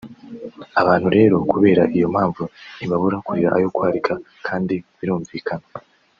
Abantu rero kubera iyo mpamvu ntibabura kurira ayo kwarika kandi birumvikana